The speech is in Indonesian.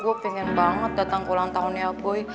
aduh gue pengen banget dateng ke ulang tahunnya boy